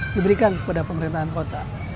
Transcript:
diberikan kepada pemerintahan kota